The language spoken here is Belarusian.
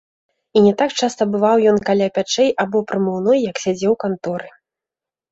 І не так часта бываў ён каля пячэй або прамыўной, як сядзеў у канторы.